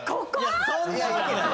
そんなわけない。